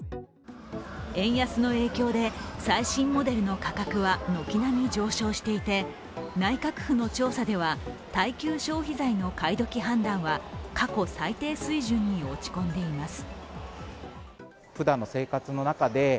円安の影響で最新モデルの価格は軒並み上昇していて、内閣府の調査では耐久消費財の買いどき判断は過去最低水準に落ち込んでいます。